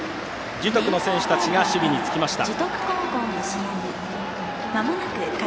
樹徳の選手たちが守備につきました。